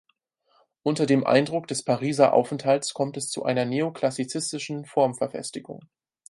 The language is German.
Unter dem Eindruck des Pariser Aufenthalts kommt es zu einer neoklassizistischen Formverfestigung.